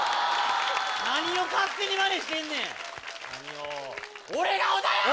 何を勝手にマネしてんねん！